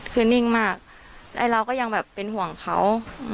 คือนิ่งมากแล้วเราก็ยังแบบเป็นห่วงเขา